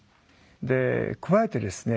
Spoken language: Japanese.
で加えてですね